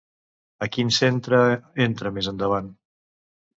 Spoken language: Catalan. A quin centre entra més endavant?